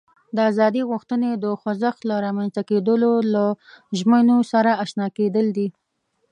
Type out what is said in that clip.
د ازادي غوښتنې د خوځښت له رامنځته کېدو له ژمینو سره آشنا کېدل دي.